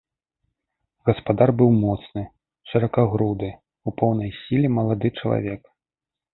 Гаспадар быў моцны, шыракагруды, у поўнай сіле малады чалавек.